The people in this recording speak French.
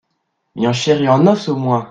Mais en chair et en os au moins !